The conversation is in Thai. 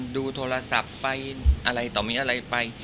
ดูโทรศัพท์ไปอะไรต่อมีอะไรไป